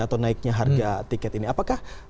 atau naiknya harga tiket ini apakah